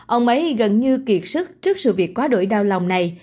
ông ấy gần như kiệt sức trước sự việc quá đổi đau lòng này